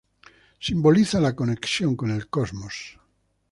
Simboliza la conexión con el cosmos.